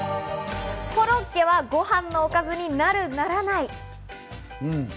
コロッケはごはんのおかずになる？ならない？